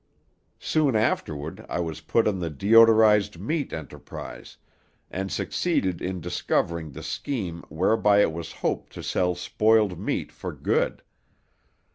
Soon afterward I was put on the 'deodorized meat' enterprise, and succeeded in discovering the scheme whereby it was hoped to sell spoiled meat for good.